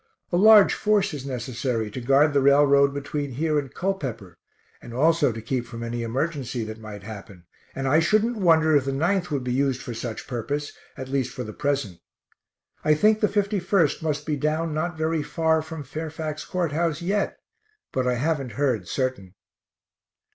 A large force is necessary to guard the railroad between here and Culpepper, and also to keep from any emergency that might happen, and I shouldn't wonder if the 9th would be used for such purpose, at least for the present. I think the 51st must be down not very far from Fairfax Court House yet, but I haven't heard certain.